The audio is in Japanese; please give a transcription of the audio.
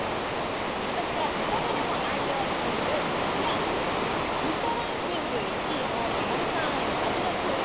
私が自宅でも愛用しているこちら、みそランキング１位の、マルサンアイの味の饗宴